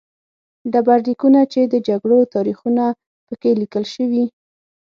ډبرلیکونه چې د جګړو تاریخونه په کې لیکل شوي